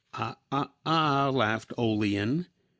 '" Ah ah ah, laughed "Olean."